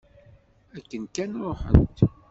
Akken kan ruḥent.